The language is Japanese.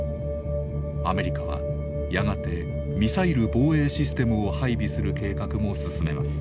アメリカはやがてミサイル防衛システムを配備する計画も進めます。